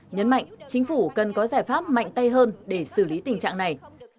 nhấn mạnh chính phủ cần có giải pháp mạnh tay hơn để xử lý tình trạng này